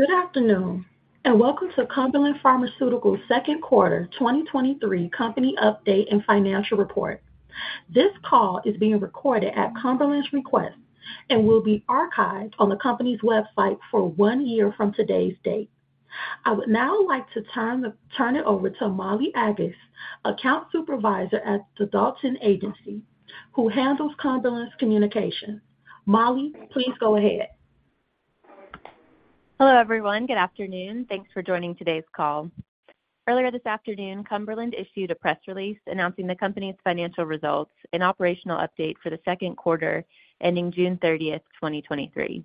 Good afternoon, welcome to Cumberland Pharmaceuticals' second quarter 2023 company update and financial report. This call is being recorded at Cumberland Pharmaceuticals' request and will be archived on the company's website for 1 year from today's date. I would now like to turn it over to Molly Aggas, Account Supervisor at the Dalton Agency, who handles Cumberland Pharmaceuticals' communication. Molly, please go ahead. Hello, everyone. Good afternoon. Thanks for joining today's call. Earlier this afternoon, Cumberland issued a press release announcing the company's financial results and operational update for the second quarter, ending June 30, 2023.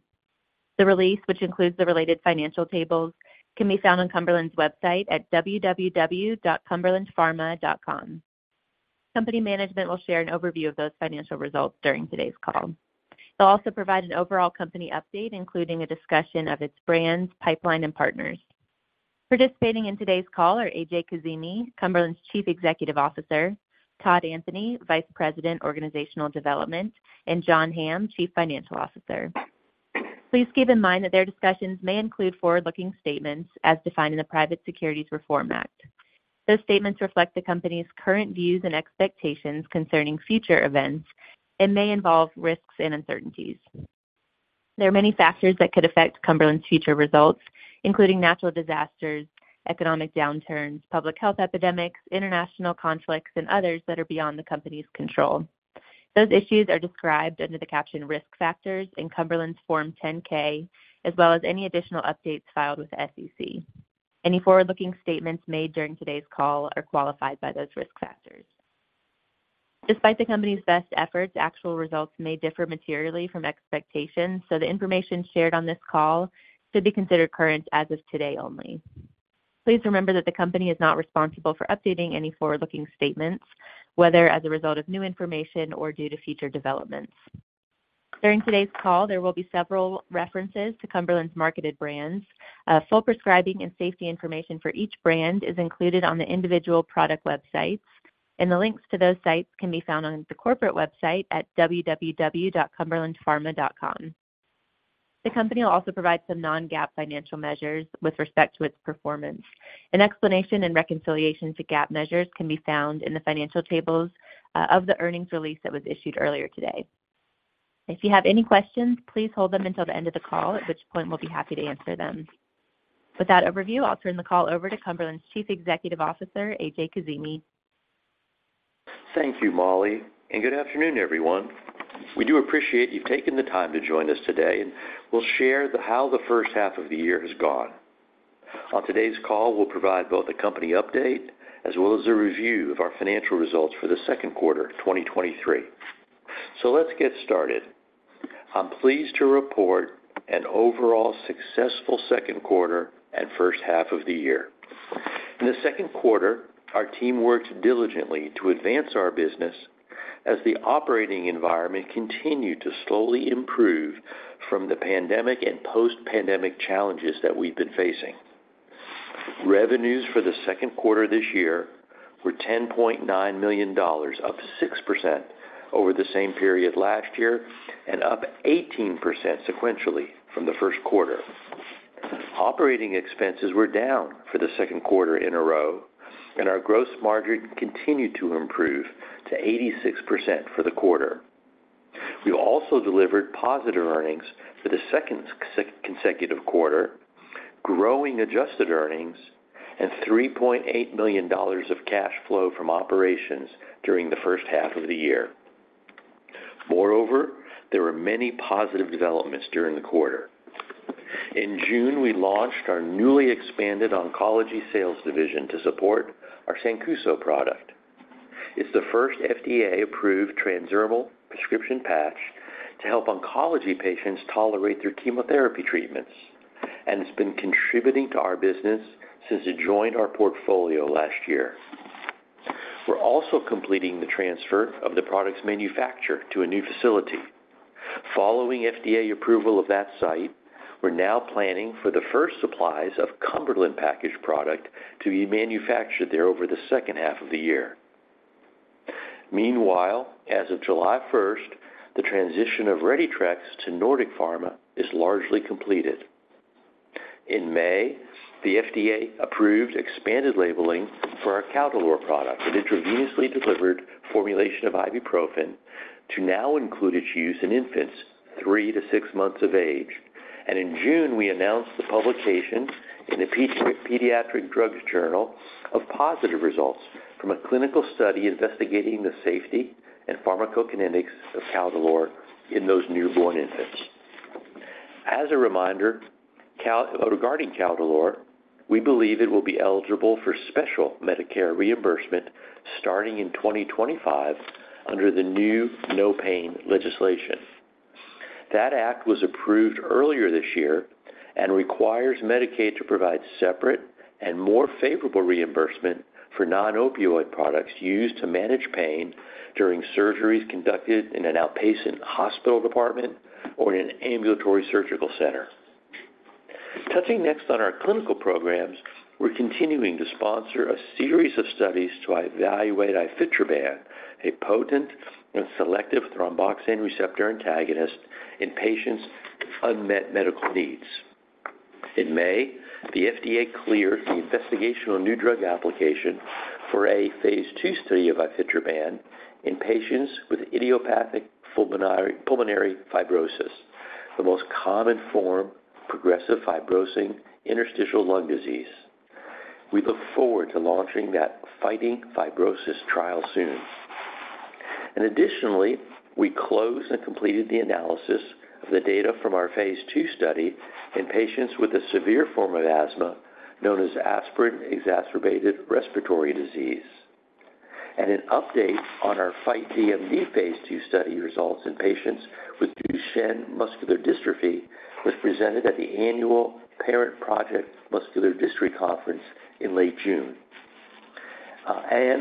The release, which includes the related financial tables, can be found on Cumberland's website at www.cumberlandpharma.com. Company management will share an overview of those financial results during today's call. They'll also provide an overall company update, including a discussion of its brands, pipeline, and partners. Participating in today's call are A.J. Kazimi, Cumberland's Chief Executive Officer; Todd Anthony, Vice President, Organizational Development; and John Hamm, Chief Financial Officer. Please keep in mind that their discussions may include forward-looking statements as defined in the Private Securities Litigation Reform Act. Those statements reflect the Company's current views and expectations concerning future events and may involve risks and uncertainties. There are many factors that could affect Cumberland's future results, including natural disasters, economic downturns, public health epidemics, international conflicts, and others that are beyond the Company's control. Those issues are described under the caption Risk Factors in Cumberland's Form 10-K, as well as any additional updates filed with the SEC. Any forward-looking statements made during today's call are qualified by those risk factors. Despite the Company's best efforts, actual results may differ materially from expectations, so the information shared on this call should be considered current as of today only. Please remember that the Company is not responsible for updating any forward-looking statements, whether as a result of new information or due to future developments. During today's call, there will be several references to Cumberland's marketed brands. Full prescribing and safety information for each brand is included on the individual product websites, and the links to those sites can be found on the corporate website at www.cumberlandpharma.com. The company will also provide some non-GAAP financial measures with respect to its performance. An explanation and reconciliation to GAAP measures can be found in the financial tables of the earnings release that was issued earlier today. If you have any questions, please hold them until the end of the call, at which point we'll be happy to answer them. With that overview, I'll turn the call over to Cumberland's Chief Executive Officer, A.J. Kazimi. Thank you, Molly. Good afternoon, everyone. We do appreciate you taking the time to join us today, and we'll share how the first half of the year has gone. On today's call, we'll provide both a company update as well as a review of our financial results for the second quarter, 2023. Let's get started. I'm pleased to report an overall successful second quarter and first half of the year. In the second quarter, our team worked diligently to advance our business as the operating environment continued to slowly improve from the pandemic and post-pandemic challenges that we've been facing. Revenues for the second quarter this year were $10.9 million, up 6% over the same period last year and up 18% sequentially from the first quarter. Operating expenses were down for the second quarter in a row, and our gross margin continued to improve to 86% for the quarter. We also delivered positive earnings for the second consecutive quarter, growing adjusted earnings and $3.8 million of cash flow from operations during the first half of the year. Moreover, there were many positive developments during the quarter. In June, we launched our newly expanded oncology sales division to support our Sancuso product. It's the first FDA-approved transdermal prescription patch to help oncology patients tolerate their chemotherapy treatments, and it's been contributing to our business since it joined our portfolio last year. We're also completing the transfer of the product's manufacture to a new facility. Following FDA approval of that site, we're now planning for the first supplies of Cumberland-packaged product to be manufactured there over the second half of the year. Meanwhile, as of July 1st, the transition of RediTrex to Nordic Pharma is largely completed. In May, the FDA approved expanded labeling for our Caldolor product, an intravenously delivered formulation of ibuprofen to now include its use in infants 3 to 6 months of age. In June, we announced the publication in the Pediatric Drugs Journal of positive results from a clinical study investigating the safety and pharmacokinetics of Caldolor in those newborn infants. As a reminder, regarding Caldolor, we believe it will be eligible for special Medicare reimbursement starting in 2025 under the new NOPAIN legislation. That act was approved earlier this year and requires Medicaid to provide separate and more favorable reimbursement for non-opioid products used to manage pain during surgeries conducted in an outpatient hospital department or in an ambulatory surgical center. Touching next on our clinical programs, we're continuing to sponsor a series of studies to evaluate Ifetroban, a potent and selective thromboxane receptor antagonist in patients with unmet medical needs. In May, the FDA cleared the Investigational New Drug Application for a Phase II study of Ifetroban in patients with idiopathic pulmonary fibrosis, the most common form of progressive fibrosing interstitial lung disease. We look forward to launching that FIGHTING FIBROSIS trial soon. Additionally, we closed and completed the analysis of the data from our Phase II study in patients with a severe form of asthma known as aspirin-exacerbated respiratory disease. An update on our FIGHT DMD Phase II study results in patients with Duchenne muscular dystrophy was presented at the annual Parent Project Muscular Dystrophy Conference in late June.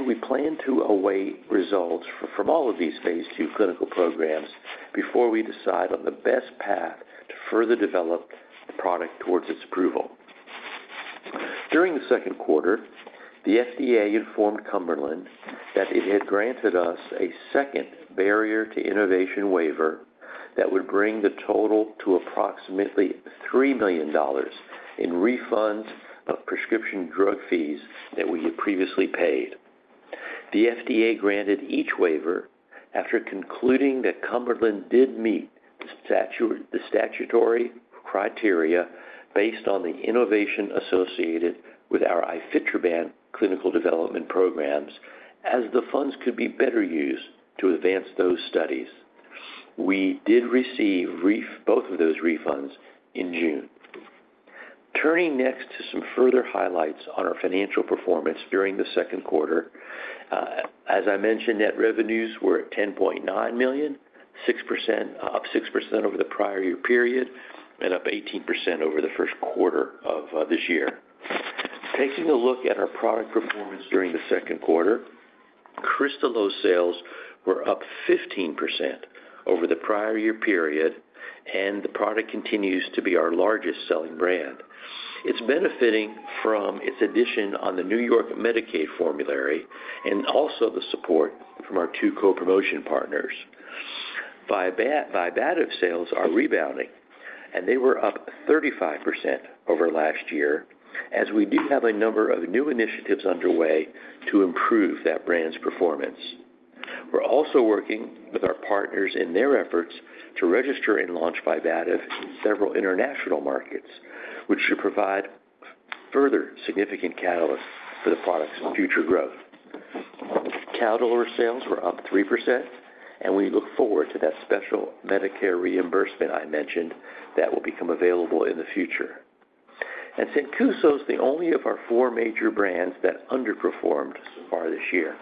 We plan to await results from all of these Phase II clinical programs before we decide on the best path to further develop the product towards its approval. During the second quarter, the FDA informed Cumberland that it had granted us a second barrier to innovation waiver that would bring the total to approximately $3 million in refunds of prescription drug fees that we had previously paid. The FDA granted each waiver after concluding that Cumberland did meet the statutory criteria based on the innovation associated with our ifetroban clinical development programs, as the funds could be better used to advance those studies. We did receive both of those refunds in June. Turning next to some further highlights on our financial performance during the second quarter. As I mentioned, net revenues were at $10.9 million, six percent, up 6% over the prior year period and up 18% over the first quarter of this year. Taking a look at our product performance during the second quarter, Kristalose sales were up 15% over the prior year period, and the product continues to be our largest selling brand. It's benefiting from its addition on the New York Medicaid formulary and also the support from our two co-promotion partners. Vibativ, Vibativ sales are rebounding, and they were up 35% over last year, as we do have a number of new initiatives underway to improve that brand's performance. We're also working with our partners in their efforts to register and launch Vibativ in several international markets, which should provide further significant catalysts for the product's future growth. Caldolor sales were up 3%, we look forward to that special Medicare reimbursement I mentioned that will become available in the future. Sancuso is the only of our 4 major brands that underperformed so far this year,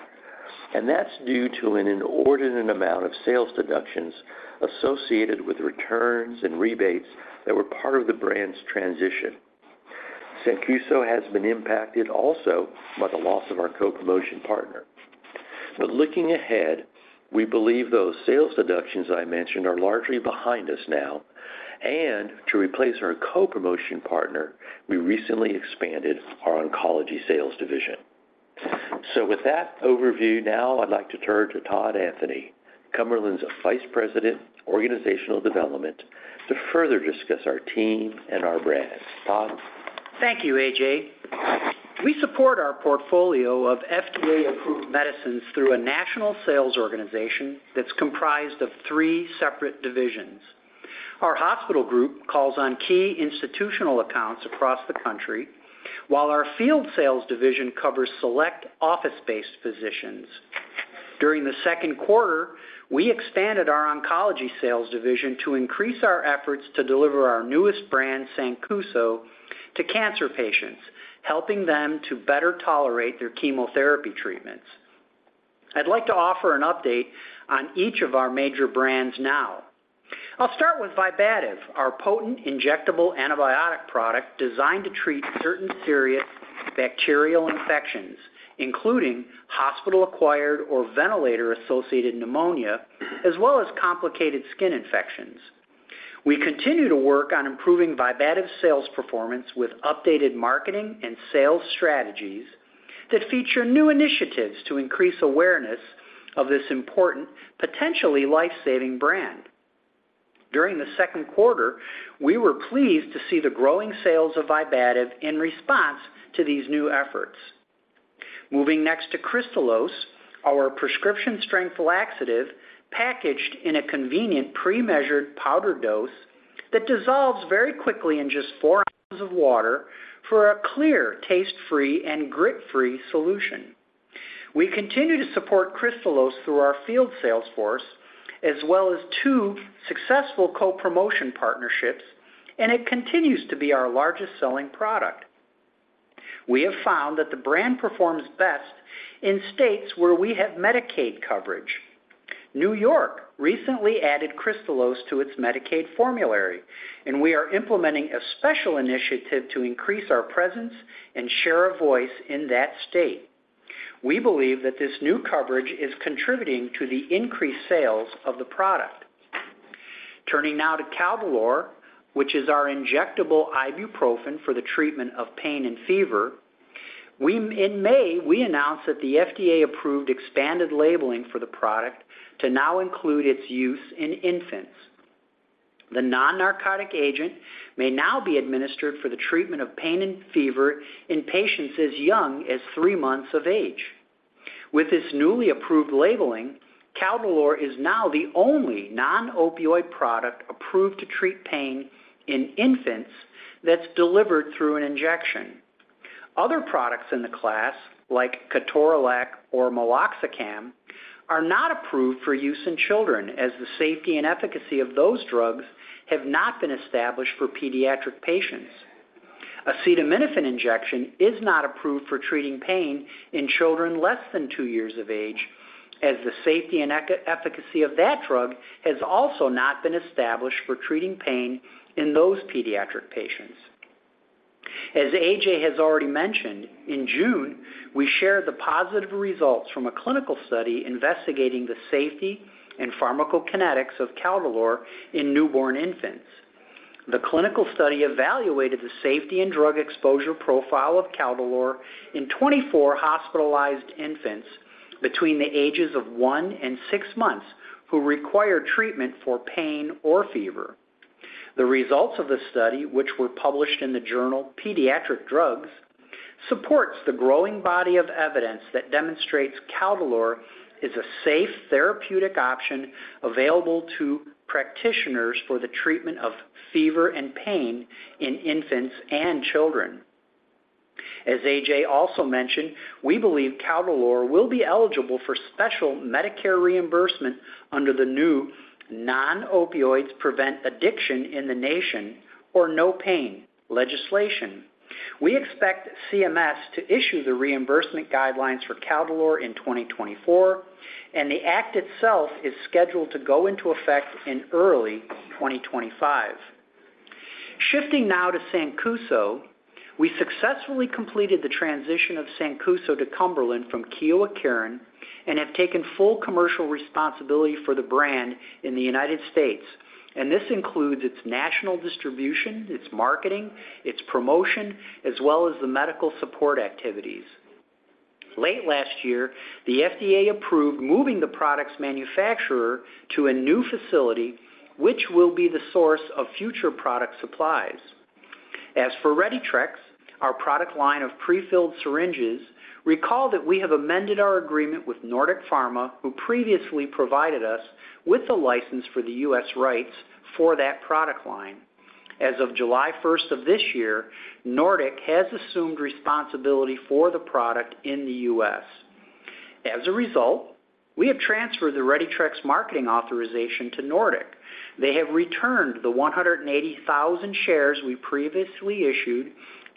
and that's due to an inordinate amount of sales deductions associated with returns and rebates that were part of the brand's transition. Sancuso has been impacted also by the loss of our co-promotion partner. Looking ahead, we believe those sales deductions I mentioned are largely behind us now, and to replace our co-promotion partner, we recently expanded our oncology sales division. With that overview, now I'd like to turn to Todd Anthony, Cumberland's Vice President, Organizational Development, to further discuss our team and our brands. Todd? Thank you, A.J. We support our portfolio of FDA-approved medicines through a national sales organization that's comprised of three separate divisions. Our hospital group calls on key institutional accounts across the country, while our field sales division covers select office-based physicians. During the second quarter, we expanded our oncology sales division to increase our efforts to deliver our newest brand, Sancuso, to cancer patients, helping them to better tolerate their chemotherapy treatments. I'd like to offer an update on each of our major brands now. I'll start with Vibativ, our potent injectable antibiotic product designed to treat certain serious bacterial infections, including hospital-acquired or ventilator-associated pneumonia, as well as complicated skin infections. We continue to work on improving Vibativ sales performance with updated marketing and sales strategies that feature new initiatives to increase awareness of this important, potentially life-saving brand. During the second quarter, we were pleased to see the growing sales of Vibativ in response to these new efforts. Moving next to Kristalose, our prescription-strength laxative, packaged in a convenient pre-measured powder dose that dissolves very quickly in just 4 ounces of water for a clear, taste-free and grit-free solution. We continue to support Kristalose through our field sales force, as well as two successful co-promotion partnerships, and it continues to be our largest selling product. We have found that the brand performs best in states where we have Medicaid coverage. New York recently added Kristalose to its Medicaid formulary, and we are implementing a special initiative to increase our presence and share a voice in that state. We believe that this new coverage is contributing to the increased sales of the product. Turning now to Caldolor, which is our injectable ibuprofen for the treatment of pain and fever. We, in May, we announced that the FDA approved expanded labeling for the product to now include its use in infants. The non-narcotic agent may now be administered for the treatment of pain and fever in patients as young as 3 months of age. With this newly approved labeling, Caldolor is now the only non-opioid product approved to treat pain in infants that's delivered through an injection. Other products in the class, like Ketorolac or Meloxicam, are not approved for use in children, as the safety and efficacy of those drugs have not been established for pediatric patients. Acetaminophen injection is not approved for treating pain in children less than 2 years of age, as the safety and efficacy of that drug has also not been established for treating pain in those pediatric patients. As A.J. has already mentioned, in June, we shared the positive results from a clinical study investigating the safety and pharmacokinetics of Caldolor in newborn infants. The clinical study evaluated the safety and drug exposure profile of Caldolor in 24 hospitalized infants between the ages of 1 and 6 months, who required treatment for pain or fever. The results of the study, which were published in the journal Pediatric Drugs, supports the growing body of evidence that demonstrates Caldolor is a safe therapeutic option available to practitioners for the treatment of fever and pain in infants and children. As A.J. also mentioned, we believe Caldolor will be eligible for special Medicare reimbursement under the new Non-Opioids Prevent Addiction In the Nation, or NOPAIN, legislation. We expect CMS to issue the reimbursement guidelines for Caldolor in 2024, and the act itself is scheduled to go into effect in early 2025. Shifting now to Sancuso, we successfully completed the transition of Sancuso to Cumberland from Kyowa Kirin, and have taken full commercial responsibility for the brand in the United States, and this includes its national distribution, its marketing, its promotion, as well as the medical support activities. Late last year, the FDA approved moving the product's manufacturer to a new facility, which will be the source of future product supplies. As for RediTrex, our product line of prefilled syringes, recall that we have amended our agreement with Nordic Pharma, who previously provided us with the license for the U.S. rights for that product line. As of July 1st of this year, Nordic has assumed responsibility for the product in the U.S. As a result, we have transferred the RediTrex marketing authorization to Nordic. They have returned the 180,000 shares we previously issued,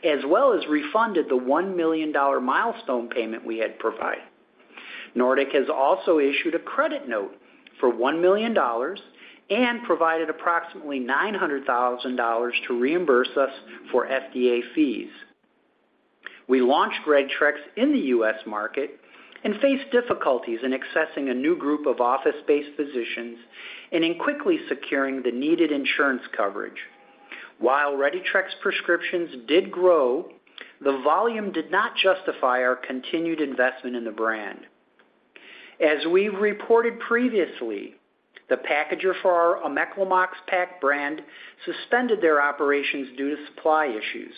as well as refunded the $1 million milestone payment we had provided. Nordic has also issued a credit note for $1 million and provided approximately $900,000 to reimburse us for FDA fees. We launched RediTrex in the U.S. market and faced difficulties in accessing a new group of office-based physicians and in quickly securing the needed insurance coverage. While RediTrex prescriptions did grow, the volume did not justify our continued investment in the brand. As we reported previously, the packager for our Omeclamox-Pak brand suspended their operations due to supply issues.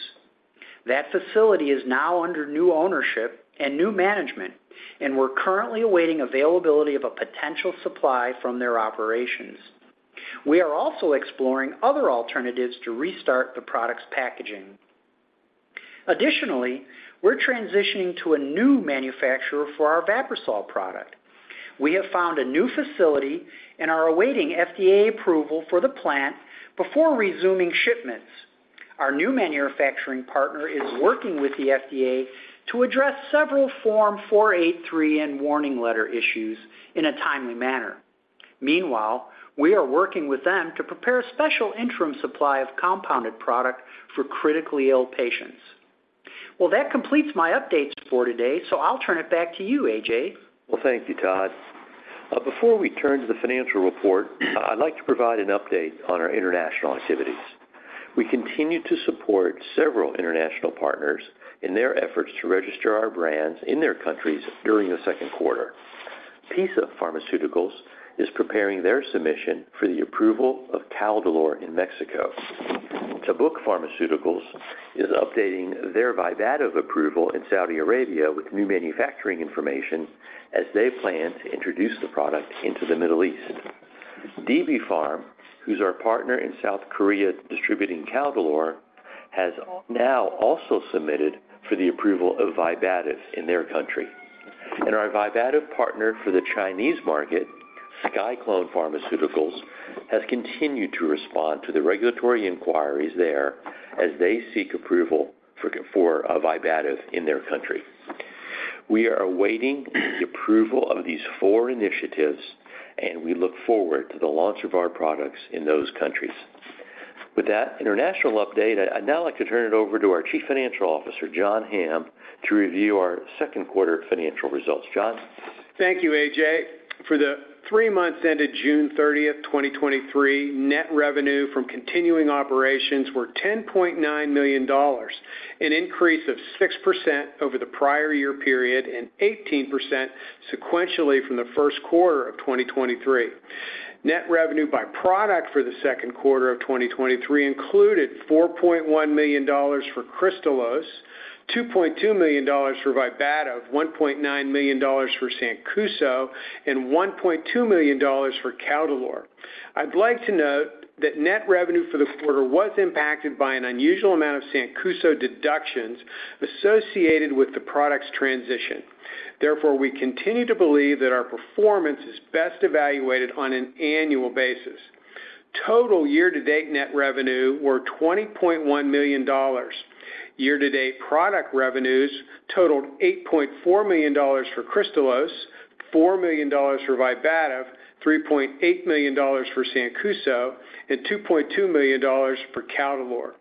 That facility is now under new ownership and new management, and we're currently awaiting availability of a potential supply from their operations. We are also exploring other alternatives to restart the product's packaging. Additionally, we're transitioning to a new manufacturer for our Vaporsol product. We have found a new facility and are awaiting FDA approval for the plant before resuming shipments. Our new manufacturing partner is working with the FDA to address several Form 483 and warning letter issues in a timely manner. Meanwhile, we are working with them to prepare a special interim supply of compounded product for critically ill patients. Well, that completes my updates for today, so I'll turn it back to you, A.J. Well, thank you, Todd. Before we turn to the financial report, I'd like to provide an update on our international activities. We continued to support several international partners in their efforts to register our brands in their countries during the second quarter. PiSA Pharmaceutical is preparing their submission for the approval of Caldolor in Mexico. Tabuk Pharmaceuticals is updating their Vibativ approval in Saudi Arabia with new manufacturing information as they plan to introduce the product into the Middle East. DB Pharm, who's our partner in South Korea, distributing Caldolor, has now also submitted for the approval of Vibativ in their country. Our Vibativ partner for the Chinese market, SciClone Pharmaceuticals, has continued to respond to the regulatory inquiries there as they seek approval for Vibativ in their country. We are awaiting the approval of these 4 initiatives, and we look forward to the launch of our products in those countries. With that international update, I'd now like to turn it over to our Chief Financial Officer, John Hamm, to review our second quarter financial results. John? Thank you, A.J. For the 3 months ended June 30th, 2023, net revenue from continuing operations were $10.9 million, an increase of 6% over the prior year period, and 18% sequentially from the first quarter of 2023. Net revenue by product for the second quarter of 2023 included $4.1 million for Kristalose, $2.2 million for Vibativ, $1.9 million for Sancuso, and $1.2 million for Caldolor. I'd like to note that net revenue for the quarter was impacted by an unusual amount of Sancuso deductions associated with the product's transition. Therefore, we continue to believe that our performance is best evaluated on an annual basis. Total year-to-date net revenue were $20.1 million. Year-to-date product revenues totaled $8.4 million for Kristalose, $4 million for Vibativ, $3.8 million for Sancuso, and $2.2 million for Caldolor.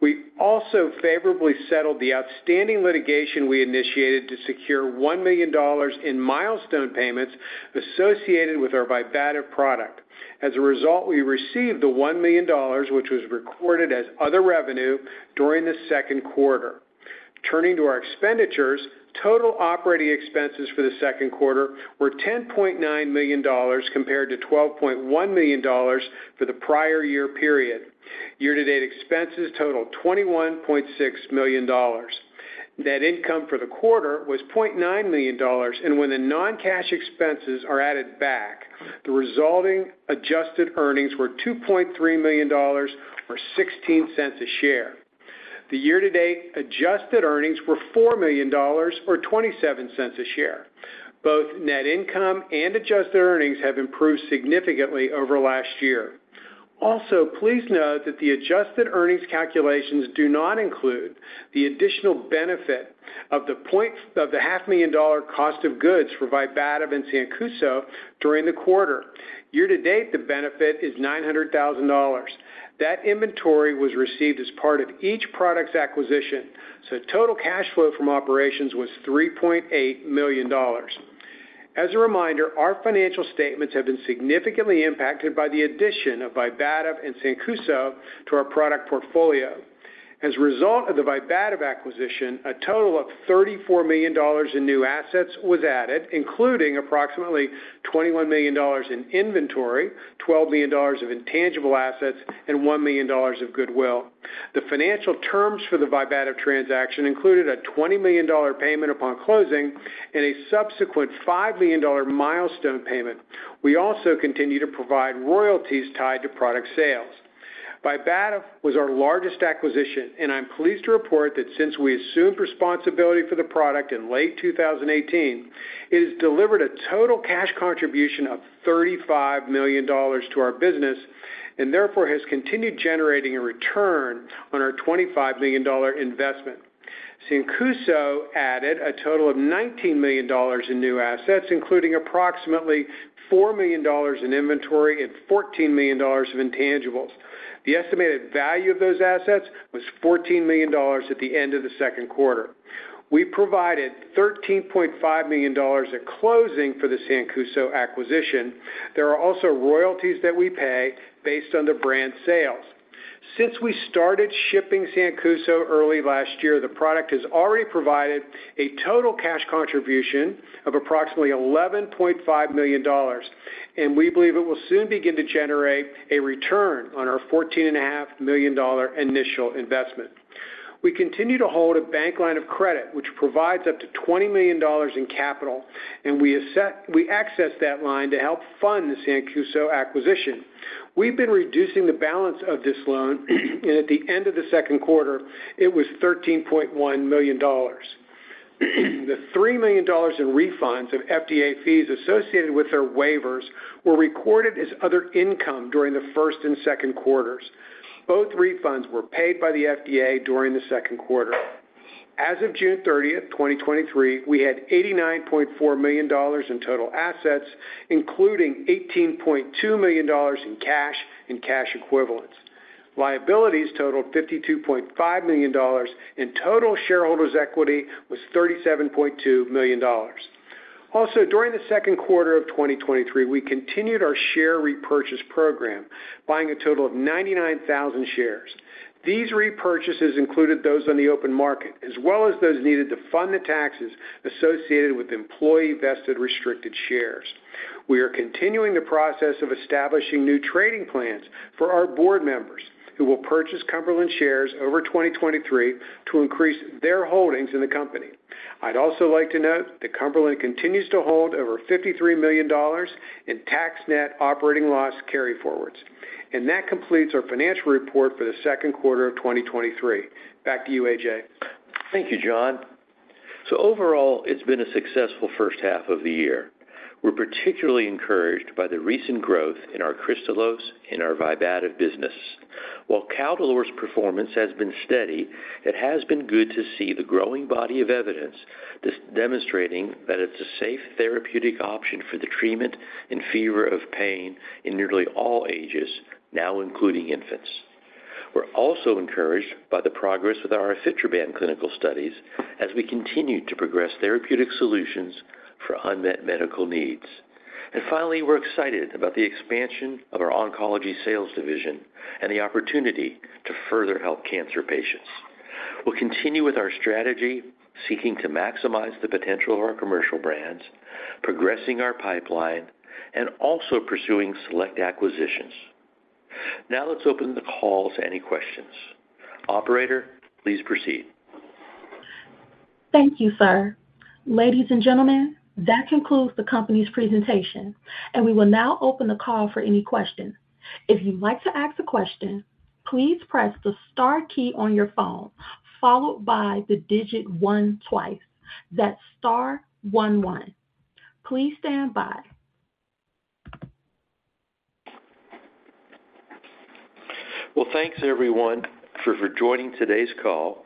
We also favorably settled the outstanding litigation we initiated to secure $1 million in milestone payments associated with our Vibativ product. As a result, we received the $1 million, which was recorded as other revenue during the second quarter. Turning to our expenditures, total operating expenses for the second quarter were $10.9 million, compared to $12.1 million for the prior year period. Year-to-date expenses totaled $21.6 million. Net income for the quarter was $0.9 million, and when the non-cash expenses are added back, the resulting adjusted earnings were $2.3 million, or $0.16 a share. The year-to-date adjusted earnings were $4 million, or $0.27 a share. Both net income and adjusted earnings have improved significantly over last year. Also, please note that the adjusted earnings calculations do not include the additional benefit of the $500,000 cost of goods for Vibativ and Sancuso during the quarter. Year to date, the benefit is $900,000. That inventory was received as part of each product's acquisition, so total cash flow from operations was $3.8 million. As a reminder, our financial statements have been significantly impacted by the addition of Vibativ and Sancuso to our product portfolio. As a result of the Vibativ acquisition, a total of $34 million in new assets was added, including approximately $21 million in inventory, $12 million of intangible assets, and $1 million of goodwill. The financial terms for the Vibativ transaction included a $20 million payment upon closing and a subsequent $5 million milestone payment. We also continue to provide royalties tied to product sales. Vibativ was our largest acquisition, and I'm pleased to report that since we assumed responsibility for the product in late 2018, it has delivered a total cash contribution of $35 million to our business, and therefore has continued generating a return on our $25 million investment. Sancuso added a total of $19 million in new assets, including approximately $4 million in inventory and $14 million of intangibles. The estimated value of those assets was $14 million at the end of the second quarter. We provided $13.5 million in closing for the Sancuso acquisition. There are also royalties that we pay based on the brand sales. Since we started shipping Sancuso early last year, the product has already provided a total cash contribution of approximately $11.5 million. We believe it will soon begin to generate a return on our $14.5 million initial investment. We continue to hold a bank line of credit, which provides up to $20 million in capital. We accessed that line to help fund the Sancuso acquisition. We've been reducing the balance of this loan. At the end of the second quarter, it was $13.1 million. The $3 million in refunds of FDA fees associated with their waivers were recorded as other income during the first and second quarters. Both refunds were paid by the FDA during the second quarter. As of June 30, 2023, we had $89.4 million in total assets, including $18.2 million in cash and cash equivalents. Liabilities totaled $52.5 million, and total shareholders' equity was $37.2 million. Also, during the second quarter of 2023, we continued our share repurchase program, buying a total of 99,000 shares. These repurchases included those on the open market, as well as those needed to fund the taxes associated with employee-vested restricted shares. We are continuing the process of establishing new trading plans for our board members, who will purchase Cumberland shares over 2023 to increase their holdings in the company. I'd also like to note that Cumberland continues to hold over $53 million in tax net operating loss carryforwards. That completes our financial report for the second quarter of 2023. Back to you, A.J. Thank you, John. Overall, it's been a successful first half of the year. We're particularly encouraged by the recent growth in our Kristalose and our Vibativ business. While Caldolor's performance has been steady, it has been good to see the growing body of evidence demonstrating that it's a safe therapeutic option for the treatment and fever of pain in nearly all ages, now including infants. We're also encouraged by the progress with our Ifetroban clinical studies as we continue to progress therapeutic solutions for unmet medical needs. Finally, we're excited about the expansion of our oncology sales division and the opportunity to further help cancer patients. We'll continue with our strategy, seeking to maximize the potential of our commercial brands, progressing our pipeline, and also pursuing select acquisitions. Let's open the call to any questions. Operator, please proceed. Thank you, sir. Ladies and gentlemen, that concludes the company's presentation. We will now open the call for any questions. If you'd like to ask a question, please press the star key on your phone, followed by the digit one twice. That's star one, one. Please stand by. Well, thanks, everyone, for joining today's call.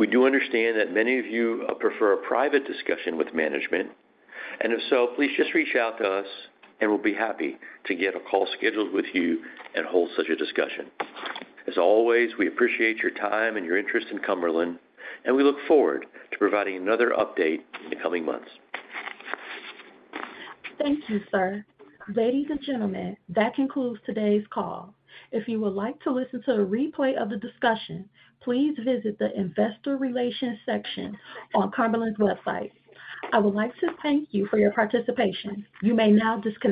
We do understand that many of you prefer a private discussion with management. If so, please just reach out to us, and we'll be happy to get a call scheduled with you and hold such a discussion. As always, we appreciate your time and your interest in Cumberland, and we look forward to providing another update in the coming months. Thank you, sir. Ladies and gentlemen, that concludes today's call. If you would like to listen to a replay of the discussion, please visit the investor relations section on Cumberland's website. I would like to thank you for your participation. You may now disconnect.